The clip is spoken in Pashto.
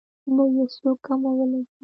نه يې څوک کمولی شي.